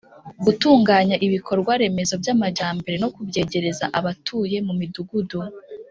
gutunganya ibikorwa remezo by'amajyambere no kubyegereza abatuye mu midugudu.